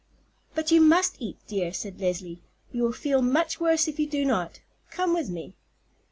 "But you must eat, dear," said Leslie; "you will feel much worse if you do not. Come with me."